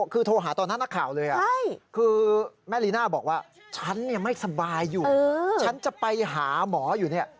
คือโทรหาตอนนั้นนักข่าวเลยคือแม่ลีน่าบอกว่าฉันเนี่ยไม่สบายอยู่ฉันจะไปหาหมออยู่เนี่ย